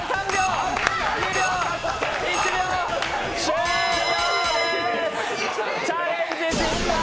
終了でーす！